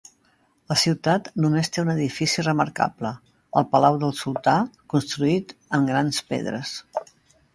La ciutat només té un edifici remarcable: el palau del sultà, construït en grans pedres.